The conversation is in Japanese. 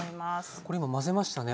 これ今混ぜましたね。